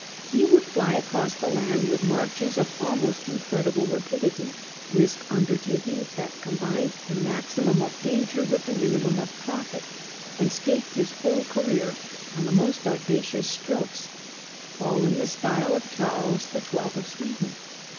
He would fiy across the land with marches of almost incredible rapidity, risk under takings that combined the maximum of danger with the minimum of profit, and stake his whole career on the most audacious strokes, all in the style of Charles XII. of Sweden.